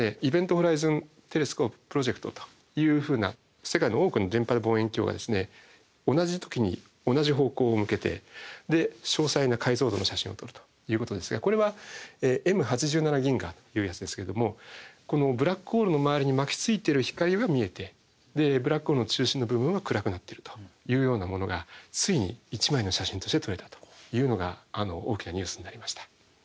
・ホライズン・テレスコープ・プロジェクトというふうな世界の多くの電波望遠鏡が同じ時に同じ方向を向けて詳細な解像度の写真を撮るということですがこれはＭ８７銀河っていうやつですけれどもこのブラックホールの周りに巻きついてる光は見えてブラックホールの中心の部分は暗くなってるというようなものがついに一枚の写真として撮れたというのが大きなニュースになりました。